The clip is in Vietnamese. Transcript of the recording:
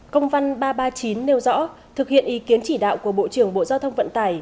công văn ba trăm ba mươi chín nêu rõ thực hiện ý kiến chỉ đạo của bộ trưởng bộ giao thông vận tải